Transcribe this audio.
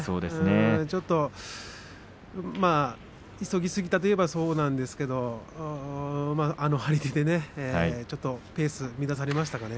ちょっと急ぎすぎたといえばそうなんですけどあの張り手でねペースを乱されましたかね。